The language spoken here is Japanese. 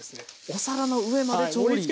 お皿の上まで調理段階。